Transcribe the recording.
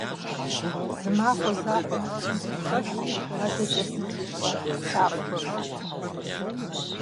- Зы махуэ закъуэ Мылъкум хухэхи, адэкӀэ сыти щӀэ! - лъаӀуэрт Гур.